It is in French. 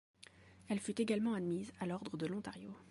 Elle fut également admise à l'Ordre de l'Ontario.